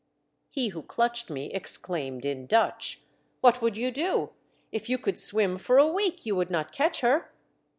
He who clutched me exclaimed in Dutch, "What would you do.'* If you could swim for a week you would not catch her."